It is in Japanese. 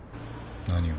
何を？